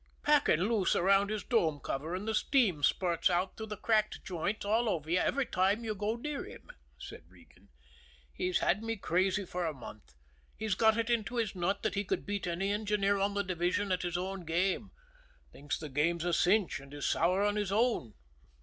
"Packing loose around his dome cover, and the steam spurts out through the cracked joint all over you every time you go near him," said Regan. "He's had me crazy for a month. He's got it into his nut that he could beat any engineer on the division at his own game, thinks the game's a cinch and is sour on his own.